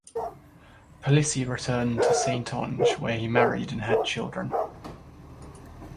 Palissy returned to Saintonge where he married and had children.